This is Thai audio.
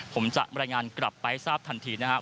ผมจะรายงานกลับไปให้ทราบทันทีนะครับ